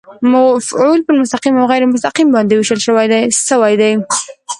مفعول پر مستقیم او غېر مستقیم باندي وېشل سوی دئ.